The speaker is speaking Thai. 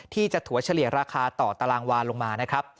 ที่จะถัวเฉลี่ยราคาต่อตารางวาลลงมา